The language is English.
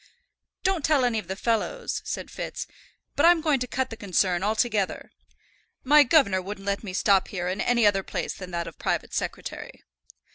"Don't tell any of the fellows," said Fitz, "but I'm going to cut the concern altogether. My governor wouldn't let me stop here in any other place than that of private secretary."